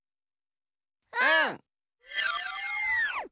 うん！